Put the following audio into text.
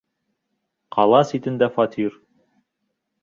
Ҡала ситендә фатир...